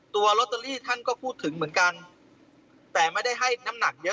ตัวลอตเตอรี่ท่านก็พูดถึงเหมือนกันแต่ไม่ได้ให้น้ำหนักเยอะ